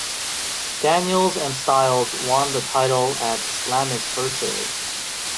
Daniels and Styles won the title at Slammiversary.